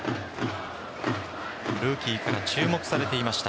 ルーキーから注目されていました